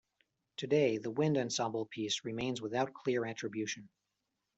Today the wind ensemble piece remains without clear attribution.